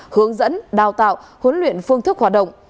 hướng dẫn đào tạo huấn luyện phương thức hoạt động